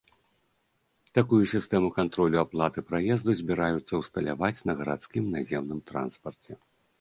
Такую сістэму кантролю аплаты праезду збіраюцца ўсталяваць на гарадскім наземным транспарце.